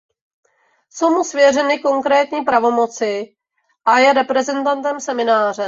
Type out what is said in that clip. Jsou mu svěřeny konkrétní pravomoci a je reprezentantem semináře.